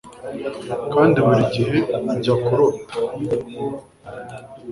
Kandi burigihe ujya kurota